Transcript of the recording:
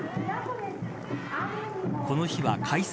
この日は開催